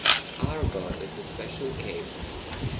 Argo is a special case.